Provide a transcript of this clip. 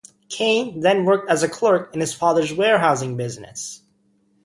Kain then worked as a clerk in his father's warehousing business.